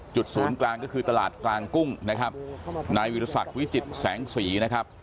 จุดศูนย์กลางก็คือตลาดกลางกุ้งนะครับในวิทยาศักดิ์วิจิตแสงสีนะครับ